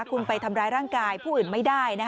คุณไปทำร้ายร่างกายผู้อื่นไม่ได้